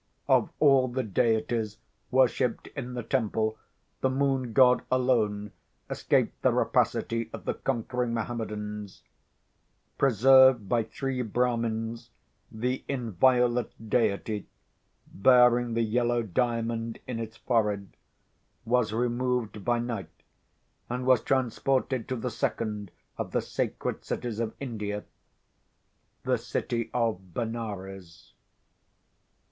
Of all the deities worshipped in the temple, the moon god alone escaped the rapacity of the conquering Mohammedans. Preserved by three Brahmins, the inviolate deity, bearing the Yellow Diamond in its forehead, was removed by night, and was transported to the second of the sacred cities of India—the city of Benares.